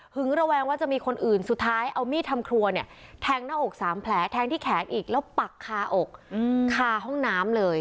ระแวงว่าจะมีคนอื่นสุดท้ายเอามีดทำครัวเนี่ยแทงหน้าอก๓แผลแทงที่แขนอีกแล้วปักคาอกคาห้องน้ำเลย